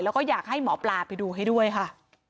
แล้วก็อยากให้หมอปลาไปดูให้ด้วยค่ะ